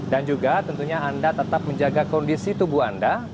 dan juga tentunya anda tetap menjaga kondisi tubuh anda